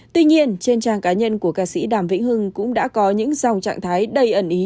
tuy nhiên trên trang cá nhân của ca sĩ đàm vĩnh hưng cũng đã có những dòng trạng thái đầy ẩn ý